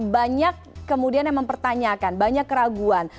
banyak kemudian yang mempertanyakan banyak keraguan